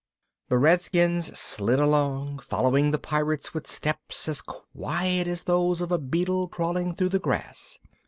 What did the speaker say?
The Redskins slid along, following the Pirates with steps as quiet as those of a beetle crawling through the grass.